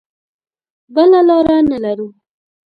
بله لاره نه لرو.